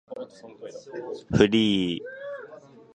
フリー